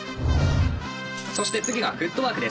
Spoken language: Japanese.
そして次がフットワークです。